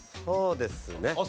そうですね。